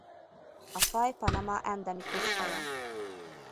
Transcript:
A faj Panama endemikus faja.